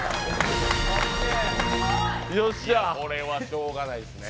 これはしょうがないですね。